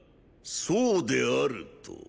そうであると。